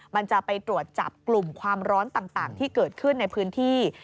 มันจะไปตรวจจับกลุ่มความร้อนต่างที่เกิดขึ้นในพื้นที่